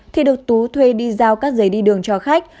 thì được tú thuê đi giao các giấy đi đường cho khách